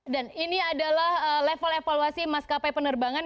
dan ini adalah level evaluasi maskapai penerbangan